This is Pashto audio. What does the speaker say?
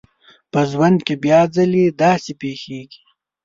په ژوند کې بيا ځلې داسې پېښېږي.